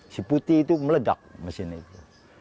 si putih itu melegak mesinnya